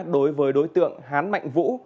đối với đối tượng hán mạnh vũ